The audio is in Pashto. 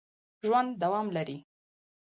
ژوند دوام لري